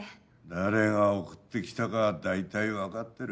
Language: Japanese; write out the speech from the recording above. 誰が送って来たかは大体分かってる。